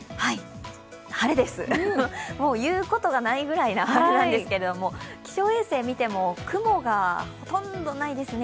晴れです、もう言うことがないぐらいの晴れなんですけれども、気象衛星、見ても、雲がほとんどないですね。